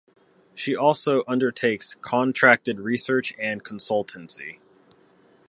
She also undertakes contracted research and consultancy.